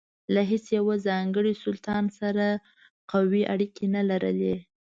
له هیڅ یوه ځانګړي سلطان سره قوي اړیکې نه لرلې.